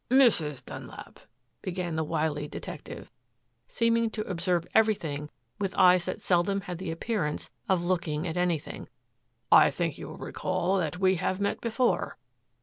"Mrs. Dunlap," began the wily detective, seeming to observe everything with eyes that seldom had the appearance of looking at anything, "I think you will recall that we have met before."